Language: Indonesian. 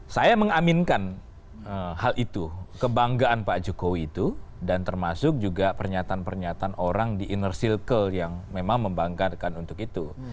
saya mengaminkan hal itu kebanggaan pak jokowi itu dan termasuk juga pernyataan pernyataan orang di inner circle yang memang membanggakan untuk itu